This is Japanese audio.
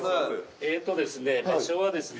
えぇとですね場所はですね